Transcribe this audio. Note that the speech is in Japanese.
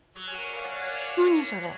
何それ？